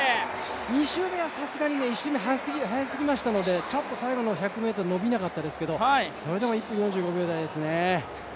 ２周目はさすがに１周目速すぎましたのでちょっと最後の１００ｍ伸びなかったですけれども、それでも１分４５秒台ですね。